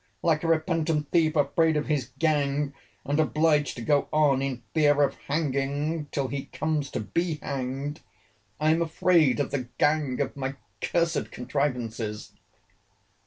Like a repentant thief, afraid of his gang, and obliged to go on, in fear of hanging till he comes to be hanged, I am afraid of the gang of my cursed contrivances.